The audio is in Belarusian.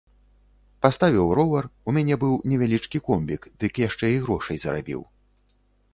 Паставіў ровар, у мяне быў невялічкі комбік, дык яшчэ і грошай зарабіў.